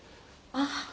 ああ。